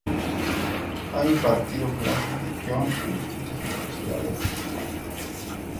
Ha impartido clases de guión en distintas universidades y masters.